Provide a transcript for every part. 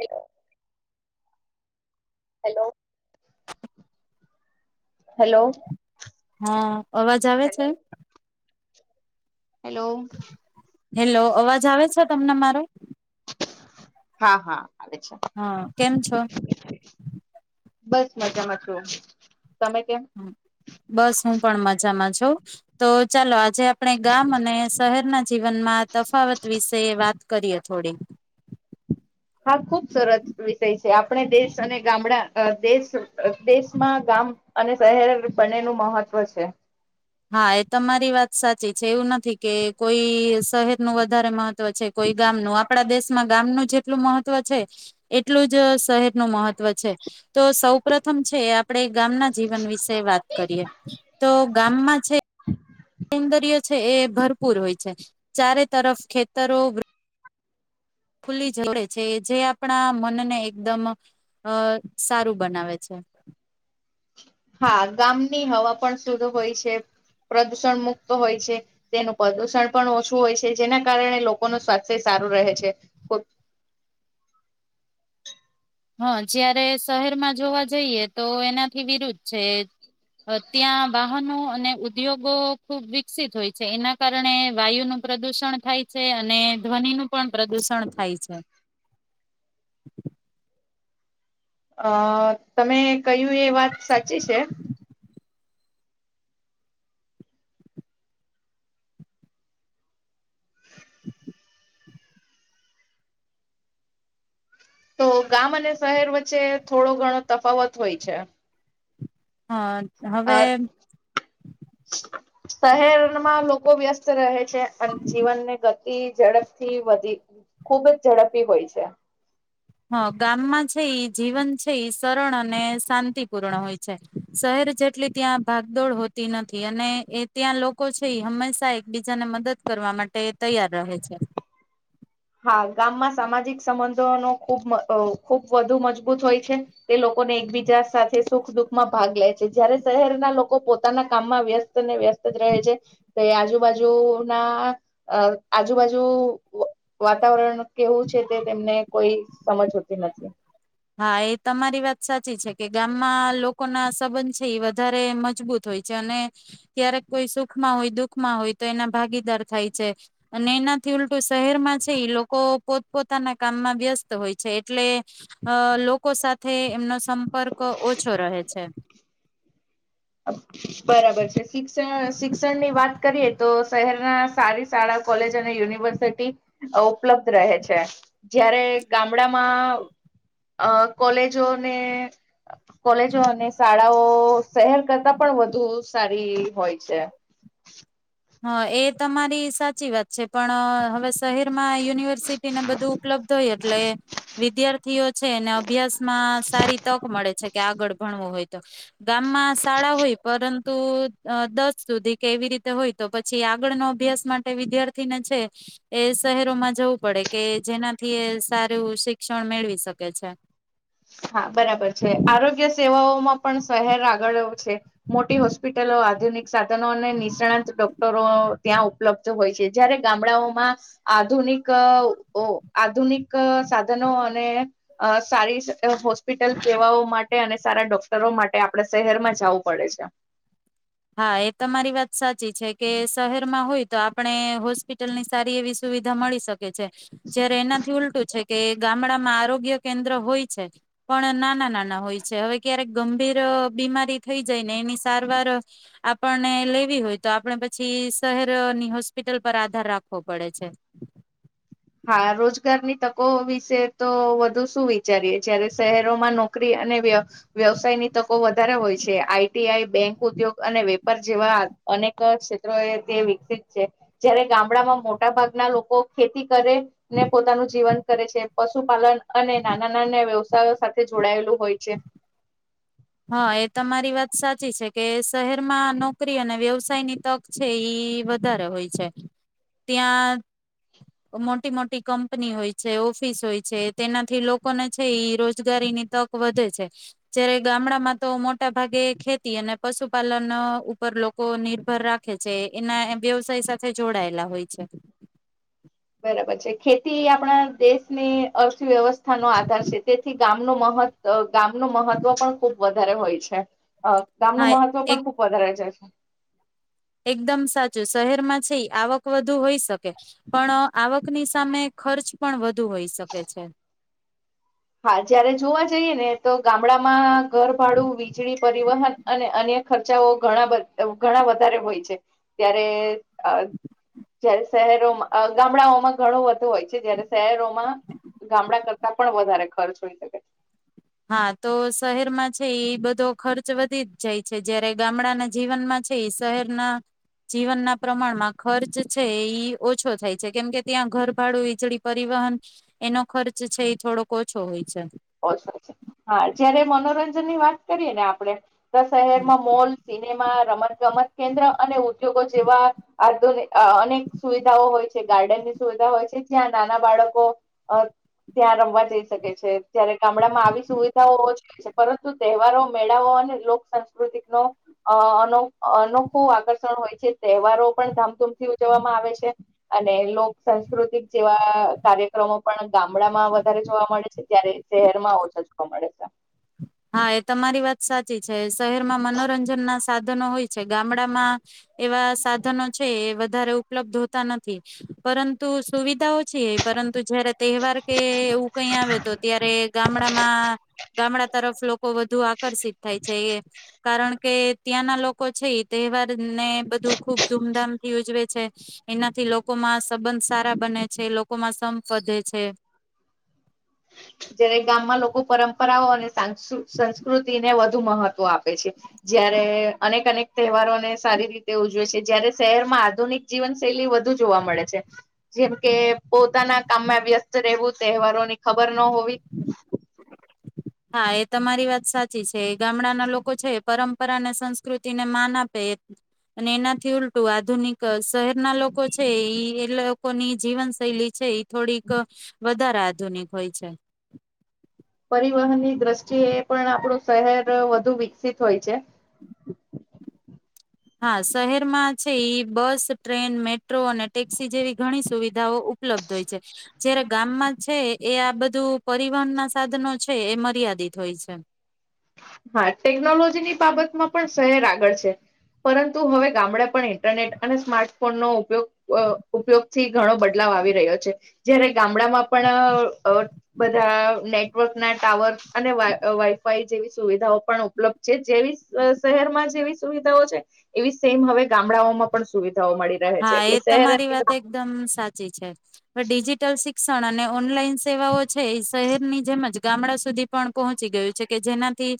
એ hello hello હા અવાજ આવે હેલો છે. હેલો હેલો અવાજ આવે છે. તમને મારો હા હા આવે છે હા કેમ છો બસ મજામાં છુ. બસ હું પણ મજામાં છ તો ચાલો જે આપણે ગામ અને શહેરના જીવનમાં તફાવત વિશે વા કરીએ થોડી હા ખુબ સરસ વિષય છે આપણે દેશ અને ગામડા અ દેશ દેશમાં ગામ અને શહેર બને નું મહત્વ છે. હા એ તમારી વાત સાચી છે એવું નથી કે કોઈ શહેરનું વધારે મહ તો છે કોઈ ગામ નુ આપણા દેશ માં ગામનું જેટલું મહત્વ છે એટલું જ શહેરનુ મહત્વ છે. તો સૌ પ્રથમ છે આપણેે ગામના જીવન વિશે વાત કરીએ તો ગામમાં છે [inaudible] સૌંદર્ય છે એ ભરપૂર હોય છે ચારે તરફ ખેતરો ખુલ્લી [unintelligible] છે જે આપણા મનને એકદમ અ સારું બનાવે છે. હા ગામની હવા પણ સુુદ હોય છે. પ્રદૂષણ મુક્ત હોય છે તેનું પ્રદુષણ પણ ઓછું હોય છે જેના કારણે લોકોનું સ્વાસ્થ્ય સારું રહે છે કો હા જયારે શહેરમાં જોવા જઈએ તો એનાથી વિરુદ્ધ છે ત્યાં વાહનો અને ઉદ્યોગો ખુબ વિકસિત હોય છે એના કારણે વાયુનું પ્રદુષણ થાય છે અને ધ્વનિનું પણ પ્રદૂષણ થાય છે. [inaudible] અ તમે કયું એ વાત સાચી છે. તો ગામ અને શહેર વચ્ચે થોડો ઘણો તફાવત હોય છે. હા અ શહેરમાં લોકો ખૂબ વ્યસ્ત રહે છે અને જીવનની ગતિ ઝડપથી વધી ખૂબ જ ઝડપી હોય છે. હા ગામમાં છે એ જીવન છે એ સરળ અને શાંતિપૂર્ણ હોય છે શહેર જેટલી ત્યાં ભાગદોડ હોતી નથી અને એ ત્યાં લોકો છે એ હંમેશા એકબીજાને મદદ કરવા માટે તૈયાર રહે છે. હા ગામમાં સામાજિક સંબંધોનો ખૂબ ખૂબ વધુ મજબૂત હોય છે તે લોકોને એકબીજા સાથે સુખ દુઃખમાં ભાગ લે છે જયારે શહેરના લોકો પોતાના કામમાં વ્યસ્ત ને વ્યસ્ત રહે છે તે આજુબાજુ ના આજુબાજુ વાતાવરણ કેવું છે તે તેમને કોઈ સમજ હોતી નથી. હા એ તમારી વાત સાચી છે કે ગામમાં લોકો ના સંબંધ છે એ વધારે મજબૂત હોય છે અને ક્યારેક કોઈ સુખમાં હોય દુખમાં હોય તો એના ભાગીદાર થાય છે અને એનાથી શહેરમાં છે લોકો પોતપોતાના કામમાં વ્યસ્ત હોય છે એટલે અ લોકો સાથે એમનો સંપર્ક ઓછો રહે છે. બરાબર છે સિક્સ સિક્ શિક્ષણ ની વાત કરીએ તો શહેરના સારી શાળા કોલેજ અને યુનિવર્સિટી ઉપલબ્ધ રહે છે જયારે ગામડામાં અ કોલેજોને કોલેજો અને શાળાઓ શહેર કરતા પણ વધુ સારી હોય છે. હા એ તમારી સાચી વાત છે પણ હવે શહેરમાં યુનિવર્સિટી ને બધું ઉપલબ્ધ હોય એટલે વિધ્યા છે અને અભ્યાસ માં સારી તક મળે છે. કે આગળ ભણવો હોય તો ગામમાં શાળા હોય પરંતુ દસ સુધી કેવી રીતે હોય તો પછી આગળનો અભ્યાસ માટે વિદ્યાર્થીને છે એ શહેરોમાં જવું પડે કે જેનાથી એ સારું શિક્ષણ મેળવી શકે છે. હા બરાબર છે આરોગ્ય સેવાઓમાં પણ શહેર આગળ છે મોટી હોસ્પ હોસ્પિટલો આધુનિક સાધનો અને નિષ્ણાંત ડોક્ટરો ત્યાં ઉપલબ્ધ હોય છે જયારે ગામડાઓમાં આધુનિક આધુનિક સાધનો અને સારી હોસ્પિટલ સેવાઓ માટે અને સારા ડોક્ટરો માટે આપડા શહેરમાં જવું પડે છે. હા એ તમા મારી વાત સાચી છે કે શહેરમાં હોય તો આપણે હોસ્પિટલની સારી એવી સુવિધા મળી શકે છે જયારે એનાથી ઉલટું છે કે ગામડામાં આરોગ્ય કેન્દ્ર હોય છે પણ નાના નાના હોય છે હવે ક્યારેક ગંભીર બીમારી થઈ જાય ને એની સારવાર આપણને લેવી હોય તો આપણે પછી શહેરની હોસ્પિટલ પર આધાર રાખવો પડે છે. હા રોજગારની તકો વિશે તો વધુ શું વિચારીએ જયારે શહેરોમાં નોકરી અને વ્યવસાયની તકો વધારે હોય છે આઈટીઆઈ બેંક ઉદ્યોગ અને વેપાર જેવા અનેક ક્ષેત્રો એ તે વિકસિત છે જયારે ગામડામાં મોટા ભાગના લોકો ખેતી કરે ને પોતાનું જીવન કરે છે. પશુપાલન અને નાના નાના વ્યવસ્ સાથે જોડાયેલું હોય છે. હા એ તમારી વાત સાચી છે કે શહેરમાં નોકરી અને વ્યવસાયની તક છે ઈ વધારે હોય છે ત્યાં મોટી મોટી કંપની હોય છે ઓફિસ હોય છે તેનાથી લોકોને છે રોજગારીની તક વધે છે જ્યારે ગામડામાં તો મોટા ભાગે ખેતી અને પશુપાલન ઉપર લોકો નિર્ભર રાખે છે એના વ્યવસાય સાથે જોડાયેલા હોય છે પ ખેતી આપણા દેશની અર્થવ્યવસ્થા નો આધાર છે તેથી ગામ ન મહ ગામ ન મહત્વ પણ ખુબ વધારે હોય છે ગામ ન હા મહત્વ પણ એક ખુબ વધારે જાય છે એકદમ સાચું શહેરમાં છે આવક વધુ હોઈ શકે પણ આવકની સામે ખર્ચ પણ વધુ હોઈ શકે છે હા જયારે જોવા જઈએ ને તો ગામડામાં ઘરભાડું વીજળી પરિવહન અને અન્ય ખર્ચાઓ ઘણા ઘણા વધારે હોય છે ત્યારે હ જયારે શહેરોમાં ગામડાઓમાં ઘણો વધુ હોય છે જયારે શહેરોમાં ગામડા કરતા પણ વધારે ખર્ચ હોઈ શકે છે હા તો શહેરમાં છે બધો ખર્ચ વધી જ જાય છે જયારે ગામડાના જીવનમાં છે એ શહેરના જીવનના પ્રમાણમાં ખર્ચ છે ઈ ઓછો થાય છે કેમકે ત્યાં ઘરભાડું વીજળી પરિવહન એનો ખર્ચ છે એ થોડોક ઓછો હોય છે ઓછો હા જયારે મનોરંજન ની વાત કરીએ ને આપણેે શહેરમાં મોલ સિનેમા રમત ગમત કેન્દ્ર અને ઉદ્યોગો જેવા આધુન અનેક સુવિધાઓ હોય છે ગાર્ડનની સુવિધા હોય છે જ્યાં નાના બાળકો ત્યાં રમવા જઈ શકે છે જયારે ગામડામાં આવી સુવિધાઓ ઓ છે પરંતુ તહેવારો મેળાઓ અને લોકસંસ્કૃતિક નો અ અનોખ અ ન ખુબ આકર્ષણ હોય જે તહેવારો પણ ધામધૂમથી ઉજવવામાં આવે છે અને લોક સંંસ્કૃતિક જેવા કાર્યક્રમો પણ ગામડામાં વધારે જોવા મળે છે ત્યારે શહેર માં ઓો છચકો મળે છે હા એ તમારી વાત સાચી છે શહેર માં મનોરંજન ના સાધનો હોય છે ગામડામાં એવા સાધનો છે વધારે ઉપલબ્ધ હોતા નથી પરંતુ સુવિધાઓ ી પરંતુ જયારે તહેવાર કે એવું કઈ આવે તો ત્યારે ગામડામાં ગમણા તરફ લોકો લોકો વધુ આકર્ષિત થાય છે એ કારણ કે ત્યાંના લોકો છે એ તહેવાર ને બધું ખૂબ ધૂમધામ થી ઉજવે છે એનાથી લોકોમાં સંબંધ સારા બને છે લોકોમાં સંપ વધે છે જયારે ગામમાં લોકો પરંપરાઓ સંસ્કૃતિ ને વધુ વધુ મહત્વ આપે છે જયારે અનેક અનેક તહેવારોને સારી રીતે ઉજવે છે જયારે શહેરમાં આધુનિક જીવનશૈલી વધુ જોવા મળે છે જેમ કે પોતાના કામમાં વ્યસ્ત રહેવું તહેવારોની ખબર હોવી હા એ તમારી વાત સાચી છે ગામડાના લોકો છે પરંપરા અને સંસ્કૃતિને માન આપે અને એનાથી ઉલટું આધુનિક શહેરના લોકો છે એ લોકોની જીવન શૈલી છે એ થોડીક વધારે આધુનિક હોય છે પરિવહનની દ્રષ્ટિએ પણ આપણું શહેર વધુ વિકસિત હોય છે હા શહેરમાં છે એ બસ ટ્રેન મેટ્રો અને ટેક્સી જેવી ઘણી સુવિધાઓ ઉપલબ્ધ હોય છે જયારે ગામમાં છે એ આ બધું પરિવહનના સાધનો છે એ મર્યાદિત હોય છે હા ટેકનોલોજીની બાબતમાં પણ શહેર આગળ છે પરંતુ હવે ગામડા પણ ઇન્ટરનેટ અને સ્માર્ટ ફોન નો ઉપયોગ ઉપયોગથી ઘણો બદલાવ આવી રહ્યો છે જયારે ગામડામાં પણ બધા નેટવર્ક ના ટાવર અને વાઈફાઈ જેવી સુવિધાઓ પણ ઉપલબ્ધ છે જેવી શહેરમાં જેવી સુવિધાઓ છે એવી સેમ હવે ગામડાઓમાં પણ સુવિધા હા એ તમારી વાત એકદમ સાચી છે હ ડિજિટલ શ શિક્ષણ અને ઓનલાઈન સેવાઓ છે એ શહેરની જેમજ ગામડા સુધી પણ પહોંચી ગયું છે કે જેનાથી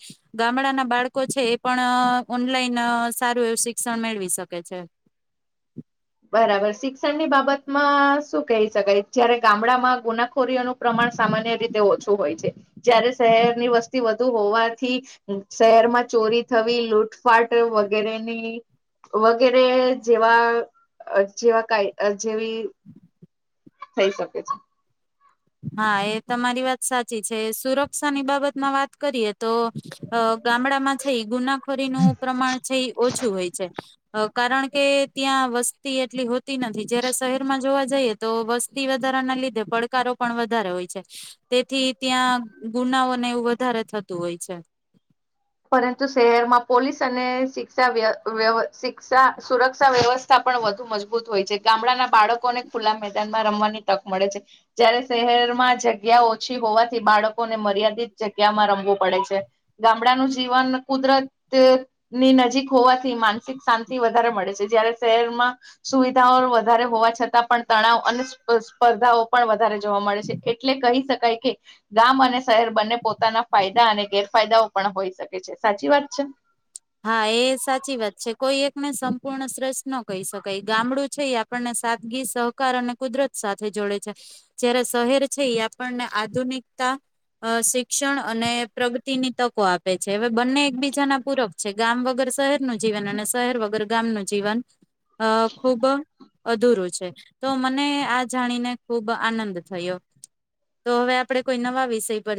ગામડાના બાળકો છે એ પણ ઓનલાઈન સારું એવું શિક્ષણ મેળવી શકે છે બરાબર શિક્ષણની બાબતમાં શું કહી શકાય જયારે ગામડામાં ગુનાખોરીઓનું પ્રમાણ સામાન્ય રીતે ઓછું હોય છે જય્યારે શહેરની વસ્તી વધુ હોવાથી શહેરમાં ચોરી થવી લૂટફાટ વગેરેની વગેરે જેવા અ જેવા કઈ જેવી થઈ શકે છે હા એ તમારી વાત સાચી છે સુરક્ષાની બાબતમાં વાત કરીએ તો ગામડા માં છે ગુનાખોરીનુંું પ્રમાણ છે એ ઓછું હોય છે કારણ કે ત્યાં વસ્તી એટલી હોતી નથી જયારે શહેરમાં જોવા જઈએ તો વસ્તી વધારા ના લીધે પડ ો પણ વધારે હોય છે તેથી ત્યાં ગુનાઓને એવું વધારે થતું હોય છે પરંતુ શહેરમાં પોલીસ અને શિક્ષા શિક્ષા સુરક્ષા વ્યવસ્થા પણ વધુ મજબૂત હોય છે ગામડાના બાળકોને ખુલ્લા મેદાનમાં રમવાની તક મળે છે જયારે શહેરમાં જગ્યા ઓછી હોવાથી બાળકોને મર્યાદિત જગ્યામાં રમવું પડે છે ગામડાનું જીવન કુદરત ની નજીક હોવાથી માનસિક શાંતિ વધારે મળે છે જયારે શહેરમાં સુવિધાઓ વધારે હોવા છતાં પણ તણાવ અને સ્પર્ધાઓ પણ વધારે જોવા મળે છે એટલે કહી શકાય કે ગામ અને શહેર બંને પોતાના ફાયદા અને ગેરફાયદાઓ પણ હોઈ શકે સાચી વાત છે હા એ સાચી વાત છે કોઈ એકને સંપૂર્ણ શ્રેષ્ઠ ન કહી શકાય ગામડું છે એ આપણને સાદગી સહકાર અને કુદરત સાથે જોડે છે જય્યારે શહેર છે એ આપણને આધુનિકતા શિક્ષણ અને પ્રગતિની તકો આપે છે હવે બંને એકબીજાના પૂરક છે ગામ વગર શહેર નું જીવન અને શહેર વગર ગામ ન જીવન અ ખુબ અધુરું છે તો મને આ જાણીને ખુબ આનંદ થયો તો હવે આપડે કોઈ નવા વિષય પર